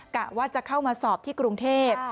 กะว่าจะเข้ามาสอบที่กรุงเทพ